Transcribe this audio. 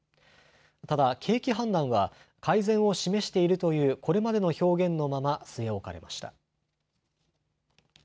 ただ景気判断は改善を示しているというこれまでの表現のまま据え置かれました。